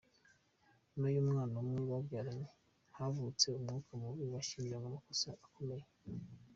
Nyuma y'umwana umwe babyaranye, havutse umwuka mubi bashinjanya amakosa akomeye.